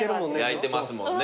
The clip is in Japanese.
焼いてますもんね。